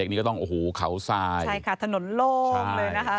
นี้ก็ต้องโอ้โหเขาทรายใช่ค่ะถนนโล่งเลยนะคะ